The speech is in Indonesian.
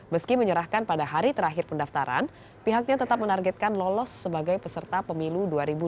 meski menyerahkan pada hari terakhir pendaftaran pihaknya tetap menargetkan lolos sebagai peserta pemilu dua ribu dua puluh